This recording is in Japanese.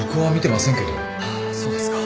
あっそうですか。